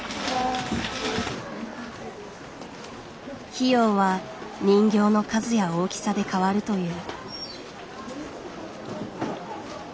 費用は人形の数や大きさで変わるという。